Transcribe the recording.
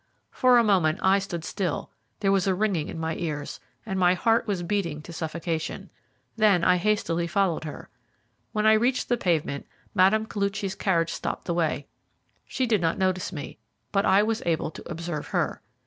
For a moment I stood still, there was a ringing in my ears, and my heart was beating to suffocation. Then I hastily followed her. When I reached the pavement Mme. Koluchy's carriage stopped the way. She did not notice me, but I was able to observe her.